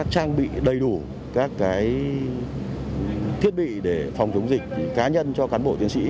trang bị đầy đủ các thiết bị để phòng chống dịch cá nhân cho cán bộ chiến sĩ